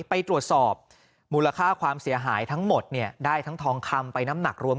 ไปตรวจสอบมูลค่าความเสียหายทั้งหมดเนี่ยได้ทั้งทองคำไปน้ำหนักรวม